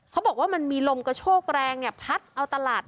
เขาบอกว่ามันมีลมกระโชกแรงเนี่ยพัดเอาตลาด